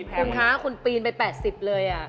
คุณคะคุณปีนไป๘๐เลย